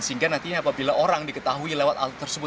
sehingga nantinya apabila orang diketahui lewat alat tersebut